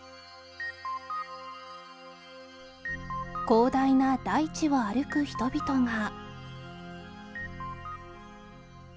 広大な大地を歩く人々が